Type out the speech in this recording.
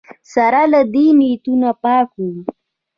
سره له دې نیتونه پاک وو